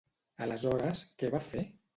Aleshores, què va fer?